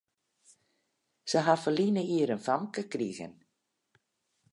Sy ha ferline jier in famke krigen.